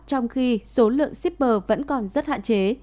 trong khi số lượng shipper vẫn còn rất hạn chế